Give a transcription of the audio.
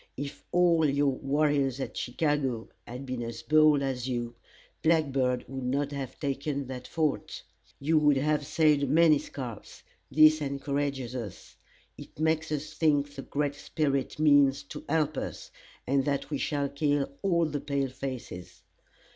If all your warriors at Chicago had been as bold as you, Black Bird would not have taken that fort. You would have saved many scalps. This encourages us. It makes us think the Great Spirit means to help us, and that we shall kill all the pale faces.